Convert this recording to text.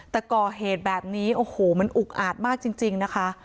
แต่ก่อเหตุแบบนี้โอ้โหมันอุกอาจมากจริงนะคะ